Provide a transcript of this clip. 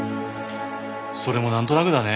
それもなんとなくだね。